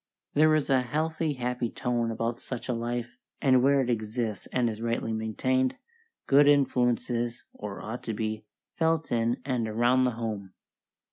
There is a healthy, happy tone about such a life, and where it exists and is rightly maintained, good influence is, or ought to be, felt in and around the home.